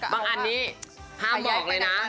อันนี้ห้ามบอกเลยนะ